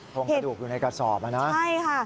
โครงกระดูกอยู่ในกระสอบอ่ะนะใช่ค่ะ